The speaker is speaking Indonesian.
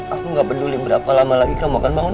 aku gak peduli berapa lama lagi kamu akan bangun